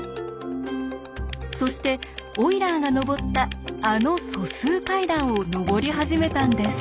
そしてオイラーが上ったあの素数階段を上り始めたんです。